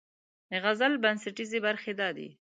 د غزل بنسټیزې برخې دا دي: